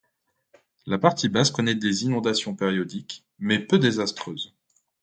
La partie basse connait des inondations périodiques, mais peu désastreuses.